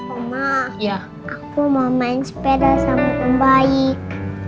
oma aku mau main sepeda sama om baik